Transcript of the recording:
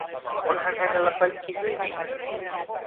Onhan hänellä kaikki hyvin?